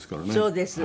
そうです。